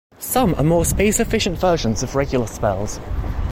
Some are more space-efficient versions of regular spells.